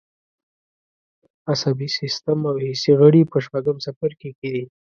عصبي سیستم او حسي غړي په شپږم څپرکي کې دي.